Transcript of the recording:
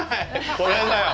これだよ。